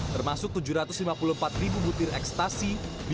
termasuk tujuh ratus lima puluh empat ribu butir ekstasi